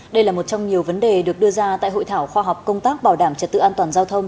đây là một trong nhiều vấn đề được đưa ra tại hội thảo khoa học công tác bảo đảm trật tự an toàn giao thông